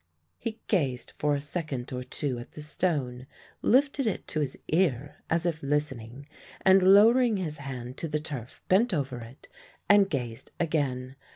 He gazed for a second or two at the stone, lifted it to his ear as if listening, and lowering his hand to the turf, bent over it and gazed again.